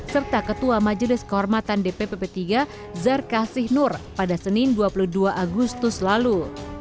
serta ketua majelis kehormatan dpp p tiga zarkasih nur pada senin dua puluh dua agustus lalu